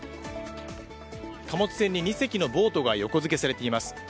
貨物船に２隻のボートが横付けされています。